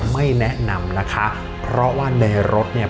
ไม่แนะนำนะคะเพราะว่าในรถเนี่ย